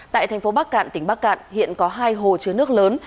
tại thành phố bắc cạn tỉnh bắc cạn hiện có hai hồ chứa nước lớn